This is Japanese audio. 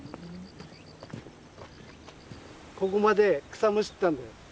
ここまで草むしったんだよ。